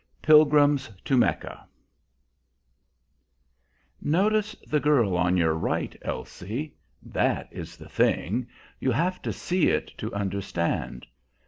PILGRIMS TO MECCA "Notice the girl on your right, Elsie. That is the thing! You have to see it to understand.